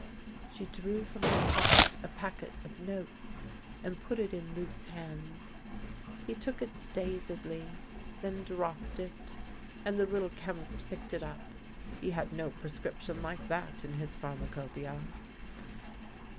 She drew from her pocket a packet of notes, and put it in Luc's hands. He took it dazedly, then dropped it, and the Little Chemist picked it up ; he had no pre scription like that in his pharmacopoeia.